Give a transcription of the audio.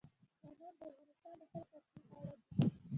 غنم د افغانستان د خلکو اصلي خواړه دي